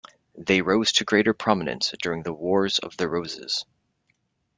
They rose to greater prominence during the Wars of the Roses.